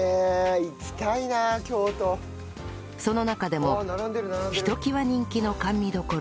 その中でもひときわ人気の甘味処